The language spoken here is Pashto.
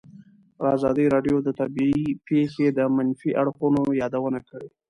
ازادي راډیو د طبیعي پېښې د منفي اړخونو یادونه کړې.